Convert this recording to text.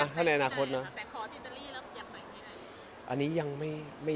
ถ้าในอนาคตนะ